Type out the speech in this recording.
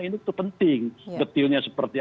induk itu penting betilnya seperti